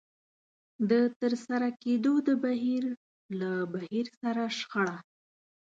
د ترسره کېدو د بهير له بهير سره شخړه.